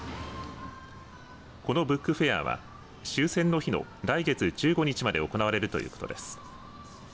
このブックフェアは終戦の日の来月１５日まで行われるということです。